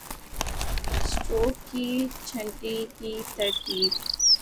stroke کی چھٹنی کی ترتیب